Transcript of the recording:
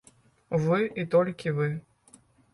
Вы і толькі вы.